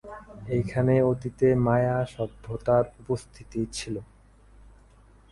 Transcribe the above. এখানে অতীতে মায়া সভ্যতার উপস্থিতি ছিল।